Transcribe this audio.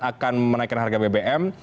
akan menaikan harga bbm